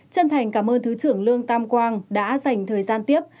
chân thành cảm ơn thứ trưởng lương tam quang đã dành thời gian tiếp